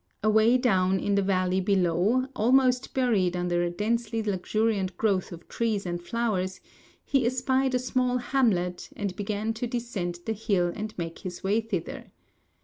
Away down in the valley below, almost buried under a densely luxuriant growth of trees and flowers, he espied a small hamlet, and began to descend the hill and make his way thither.